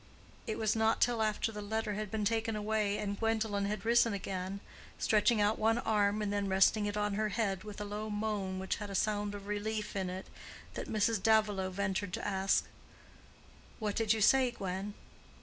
It was not till after the letter had been taken away and Gwendolen had risen again, stretching out one arm and then resting it on her head, with a low moan which had a sound of relief in it, that Mrs. Davilow ventured to ask, "What did you say, Gwen?"